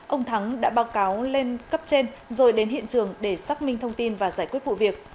ông thắng đã báo cáo lên cấp trên rồi đến hiện trường để xác minh thông tin và giải quyết vụ việc